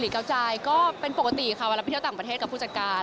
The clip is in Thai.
เก้าใจก็เป็นปกติค่ะเวลาไปเที่ยวต่างประเทศกับผู้จัดการ